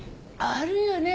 あるよね。